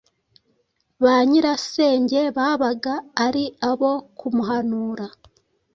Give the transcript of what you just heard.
Ba nyirasenge babaga ari abo kumuhanura,